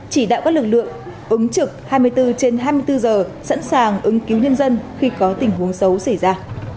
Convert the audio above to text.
chỉ đạo các lực lượng ứng trực hai mươi bốn trên hai mươi bốn giờ sẵn sàng ứng cứu nhân dân khi có tình huống xấu xảy ra